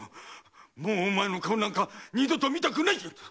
もうお前の顔なんか二度と見たくない！